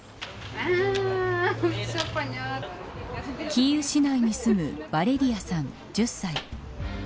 キーウ市内に住むバレリアさん、１０歳。